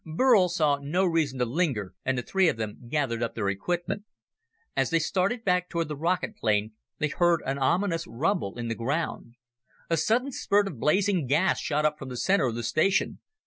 Burl saw no reason to linger, and the three of them gathered up their equipment. As they started back toward the rocket plane, they heard an ominous rumble in the ground. A sudden spurt of blazing gas shot up from the center of the station.